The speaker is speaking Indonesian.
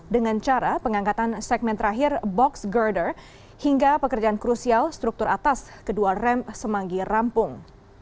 dengan cara pengangkatan segmen terakhir box girder hingga pekerjaan krusial struktur atas kedua rem semanggi rampung